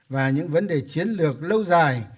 và những vấn đề chiến lược lâu dài